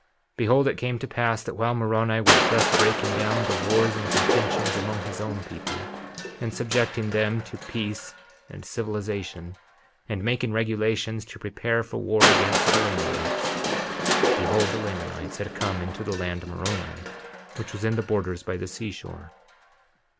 51:22 Behold, it came to pass that while Moroni was thus breaking down the wars and contentions among his own people, and subjecting them to peace and civilization, and making regulations to prepare for war against the Lamanites, behold, the Lamanites had come into the land of Moroni, which was in the borders by the seashore.